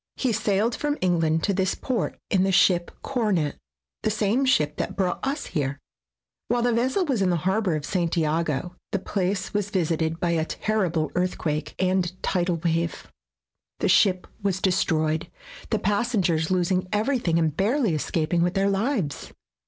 He sailed from England to this port in the ship Coronet, the same ship that brought us here. While the vessel was in the harbor of St. lago the place was visited by a terrible earthquake and tidal SKETCHES OF TRAVEL wave. The ship was destroyed, the pas sengers losing everything and barely escap ing with their lives.